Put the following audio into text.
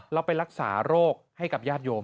แล้วไปรักษาโรคให้กับญาติโยม